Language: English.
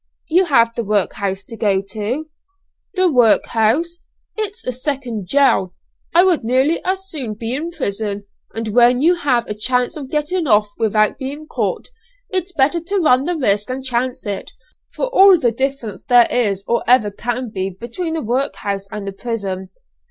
"You have the workhouse to go to." "The workhouse! it's a second jail: I would nearly as soon be in prison, and when you have a chance of getting off without being caught, it's better to run the risk and chance it, for all the difference there is or ever can be between the workhouse and the prison.